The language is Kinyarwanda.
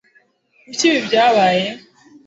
kuki ibi byabaye